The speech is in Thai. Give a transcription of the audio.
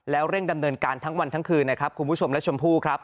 เร่งดำเนินการทั้งวันทั้งคืนนะครับคุณผู้ชมและชมพู่ครับ